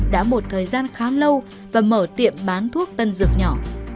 đã một thời gian khá lâu và mở tiệm bán thuốc tân dược nhỏ